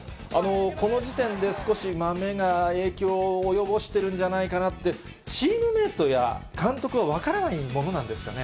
この時点で少しまめが影響を及ぼしてるんじゃないかなってチームメートや監督は分からないものなんですかね。